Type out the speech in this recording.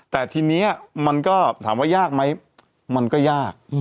แต่ทีนี้มันก็ถามว่ายากไหมมันก็ยาก